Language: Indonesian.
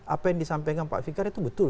apa yang disampaikan pak fikar itu betul